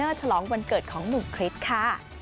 เพื่อฉลองวันเกิดของหนุ่มคริสต์ค่ะ